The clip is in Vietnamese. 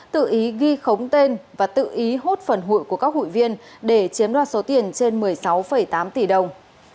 tự ý ghi khống tên và tự ý hốt phần hụi của các hụi viên để chiếm đoạt số tiền trên một mươi sáu tám tỷ đồng